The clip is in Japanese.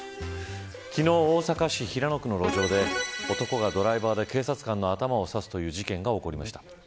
昨日、大阪市平野区の路上で男がドライバーで警察官の頭を差すという事件が起こりました。